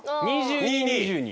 ２２２２。